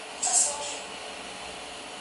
جام نه ووته: سا ری مه په ګه ني سا